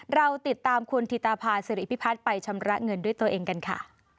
เราติดตามคุณธิตาภาษิริพิพัฒน์ไปชำระเงินด้วยตัวเองกันค่ะ